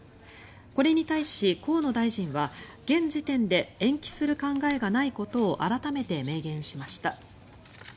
これに対し、河野大臣は現時点で延期する考えがないことを改めて明言しました。